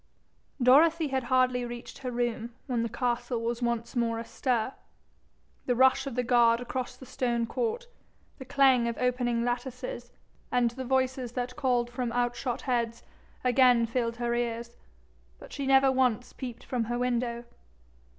Dorothy had hardly reached her room when the castle was once more astir. The rush of the guard across the stone court, the clang of opening lattices, and the voices that called from out shot heads, again filled her ears, but she never once peeped from her window.